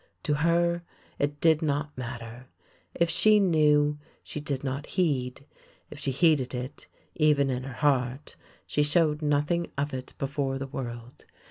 To her it did not matter. If she knew, she did not heed. If she heeded it — even in her heart — she showed nothing of it before the world.